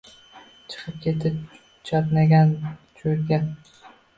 Chiqib ketdi chatnagan cho‘lga.